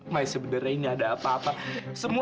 muncul dengan tersenyummu